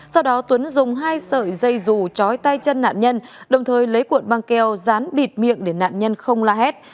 sau đó tuấn dùng hai sợi dây rù chói tay chân nạn nhân đồng thời lấy cuộn băng keo dán bịt miệng để nạn nhân không la hét